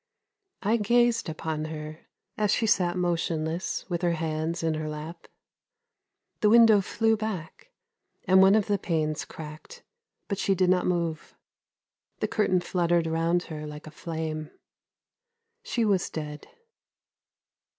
I gazed upon her as she sat motionless, with her hands in her lap. The window flew back, and one of the panes cracked, but she did not move. The curtain fluttered round her like a flame. She was dead.